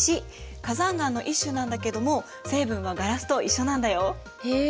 火山岩の一種なんだけども成分はガラスと一緒なんだよ。へえ。